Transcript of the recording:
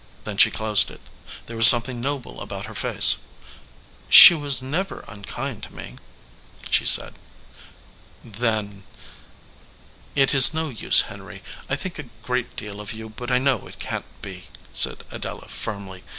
Then she closed it. There was something noble about her face. "She was never unkind to me," she said. "Then ?" "It is no use, Henry. I think a great deal of you, but I know it can t be," said Adela, firmly.